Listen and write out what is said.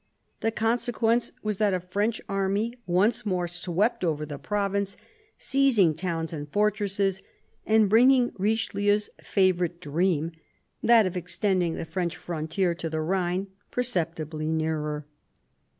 The consequence was that a French army once more swept over the province, seizing towns and fortresses and bringing Richelieu's favourite dream — that of extending the French frontier to the Rhine — perceptibly nearer.